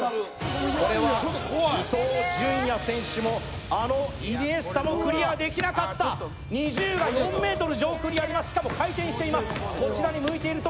これは伊東純也選手もあのイニエスタもクリアできなかった２０が２ｍ上空にあります、しかも回転しています。